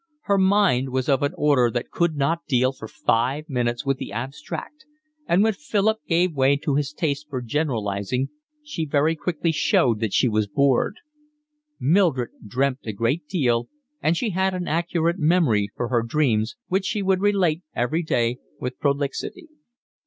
Her mind was of an order that could not deal for five minutes with the abstract, and when Philip gave way to his taste for generalising she very quickly showed that she was bored. Mildred dreamt a great deal, and she had an accurate memory for her dreams, which she would relate every day with prolixity.